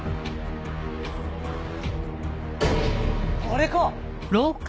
あれか！